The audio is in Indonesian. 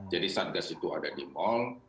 jadi satgas itu ada di mal